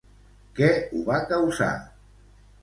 Què ho va causar?